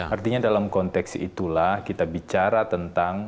artinya dalam konteks itulah kita bicara tentang